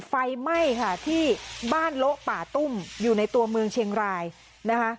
ไฟไหม้ค่ะที่บ้านโละป่าตุ้มอยู่ในตัวเมืองเชียงรายนะคะ